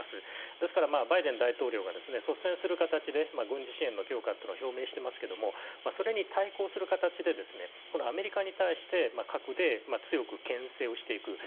ですから、バイデン大統領が率先する形で軍事支援の強化を表明していますがそれに対抗する形でアメリカに対して、核で強くけん制をしていく。